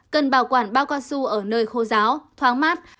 cần bảo quản bao cao su ở nơi khô giáo thoáng mát